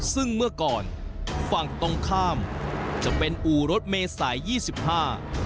ซึ่งเมื่อก่อนฝั่งตรงข้ามจะเป็นอู่รถเมษายยี่สิบห้า